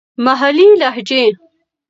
محلې لهجې.